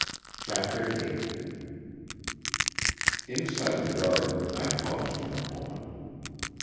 CHAPTER VIII Inside the garden I paused for a moment.